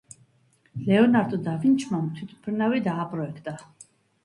ლეონარდო და ვინჩმა თვითმფრინავი დააპროექტა.